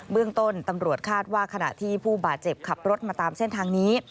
เรื่องต้นตำรวจคาดว่าขณะที่ผู้บาดเจ็บขับรถมาตามเส้นทางนี้